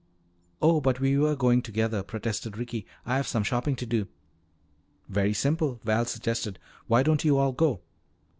"Oh, but we were going together," protested Ricky. "I have some shopping to do." "Very simple," Val suggested. "Why don't you all go?"